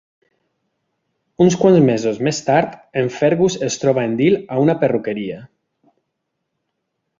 Uns quants mesos més tard, en Fergus es troba en Dil a una perruqueria.